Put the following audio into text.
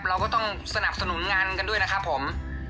เราก็ต้องสนับสนุนงานกันด้วยนะครับผม